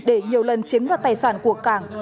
để nhiều lần chiếm đoạt tài sản của cảng